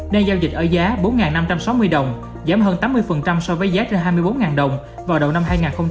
đang giao dịch ở giá bốn năm trăm sáu mươi đồng giảm hơn tám mươi so với giá trên hai mươi bốn đồng vào đầu năm hai nghìn hai mươi ba